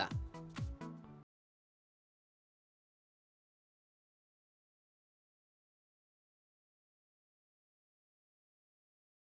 jangan lupa like subscribe dan share ya